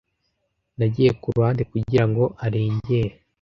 Nagiye ku ruhande kugira ngo arengere.